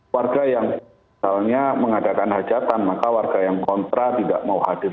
warga yang misalnya mengadakan hajatan maka warga yang kontra tidak mau hadir